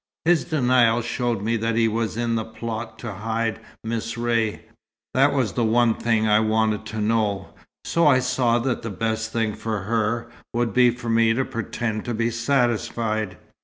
His denial showed me that he was in the plot to hide Miss Ray. That was one thing I wanted to know; so I saw that the best thing for her, would be for me to pretend to be satisfied.